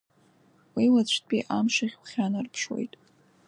Уи уаҵәтәи амш ахь ухьанарԥшуеит.